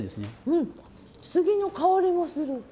うん杉の香りもする。